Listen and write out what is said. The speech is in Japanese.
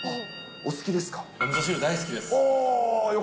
お好きですか？